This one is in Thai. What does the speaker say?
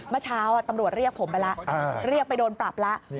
เมื่อเช้าตำรวจเรียกผมไปแล้วเรียกไปโดนปรับแล้ว